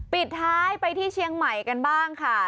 ปิดท้ายไปที่เชียงใหม่กันบ้างค่ะ